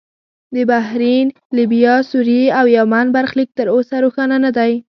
د بحرین، لیبیا، سوریې او یمن برخلیک تر اوسه روښانه نه دی.